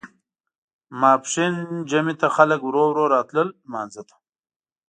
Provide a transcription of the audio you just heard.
ماسپښین جمعې ته خلک ورو ورو راتلل لمانځه ته.